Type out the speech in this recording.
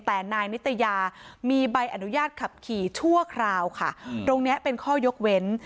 แต่นายนิตยามีใบอนุญาตขับขี่ชั่วคราวค่ะตรงเนี้ยเป็นข้อยกเว้น